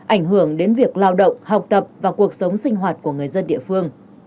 ảnh hưởng đến việc lao động học tập và cuộc sống sinh hoạt của người dân địa phương